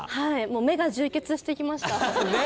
もう目が充血してきました。